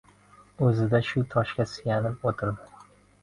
O‘zida shu toshga suyanib o‘tirdi.